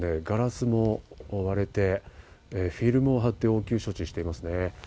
ガラスが割れて、フィルムを貼って応急処置をしていますね。